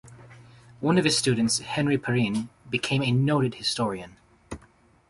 One of his students, Henri Pirenne, became a noted historian.